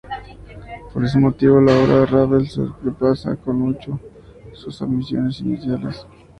Por este motivo, la obra de Ravel sobrepasa con mucho sus ambiciones iniciales.